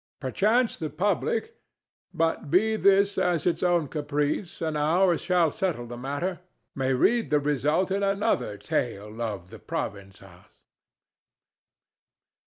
Perchance the public—but be this as its own caprice and ours shall settle the matter—may read the result in another tale of the Province House.